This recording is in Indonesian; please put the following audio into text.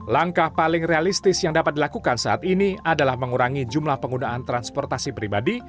langkah paling realistis yang dapat dilakukan saat ini adalah mengurangi jumlah penggunaan transportasi pribadi